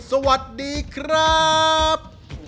สวัสดีครับ